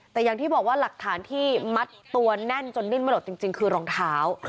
แต่อย่างที่บอกว่าหลักฐานที่มัดตัวแน่นจนดิ้นไม่หลดจริงคือรองเท้า